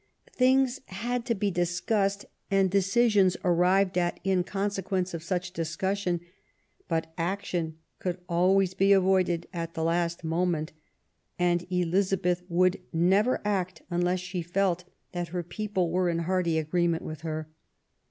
Things had to be dis cussed, and decisions arrived at in consequence of such discussion ; but action could always be avoided at the last moment, and Elizabeth would never act unless she felt that her people were in hearty agreement with her.